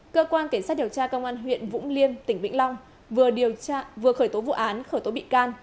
cơ quan cảnh sát điều tra công an huyện vũng liêm tỉnh vĩnh long vừa khởi tố vụ án khởi tố bị can